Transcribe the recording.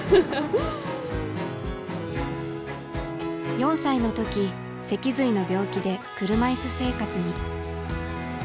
４歳の時脊髄の病気で車いす生活に。